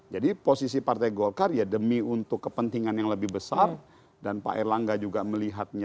jadi posisi partai golkar ya demi untuk kepentingan yang lebih besar dan pak erlangga juga melihatnya